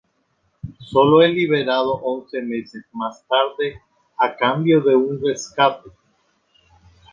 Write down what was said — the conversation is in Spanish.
Solo es liberado once meses más tarde a cambio de un rescate.